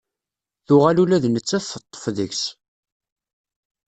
Tuɣal ula d nettat teṭṭef deg-s.